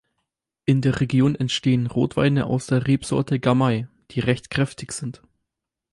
In der Region entstehen Rotweine aus der Rebsorte Gamay, die recht kräftig sind.